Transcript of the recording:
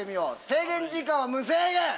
制限時間は無制限！